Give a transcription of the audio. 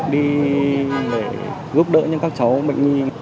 đi để giúp đỡ những các cháu bệnh viên